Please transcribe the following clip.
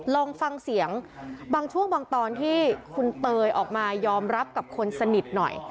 ลองฟังเสียงบางช่วงบางตอนที่คุณเตยออกมายอมรับกับคนสนิทหน่อย